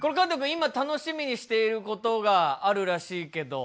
今楽しみにしていることがあるらしいけど。